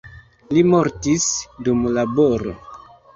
Li mortis dum laboro.